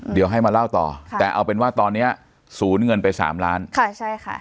เดี๋ยวให้มาเล่าต่อค่ะแต่เอาเป็นว่าตอนเนี้ยศูนย์เงินไปสามล้านค่ะใช่ค่ะ